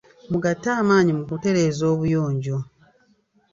Mugatte amaanyi mu kutereeza obuyonjo.